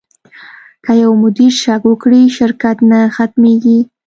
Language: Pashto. که یو مدیر شک وکړي، شرکت نه ختمېږي.